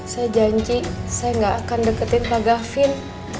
saya janji saya nggak akan deketin kak gafin